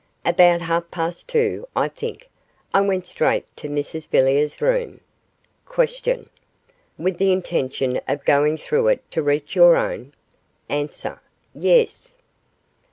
About half past two, I think. I went straight to Mrs Villiers' room. Q. With the intention of going through it to reach your own? A. Yes.